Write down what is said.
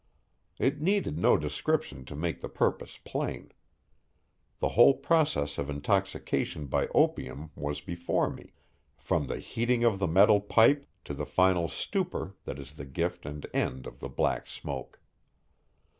It needed no description to make the purpose plain. The whole process of intoxication by opium was before me, from the heating of the metal pipe to the final stupor that is the gift and end of the Black Smoke.